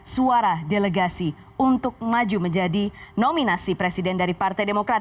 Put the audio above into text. dua tiga ratus delapan puluh dua suara delegasi untuk maju menjadi nominasi presiden dari partai demokrat